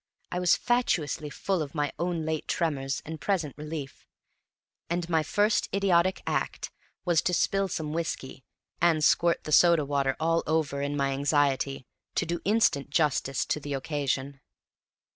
I was fatuously full of my own late tremors and present relief; and my first idiotic act was to spill some whiskey and squirt the soda water all over in my anxiety to do instant justice to the occasion.